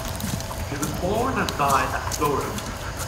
He was born and died at Florence.